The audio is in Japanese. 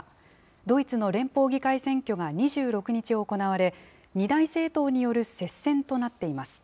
ドイツの連邦議会選挙が２６日行われ、二大政党による接戦となっています。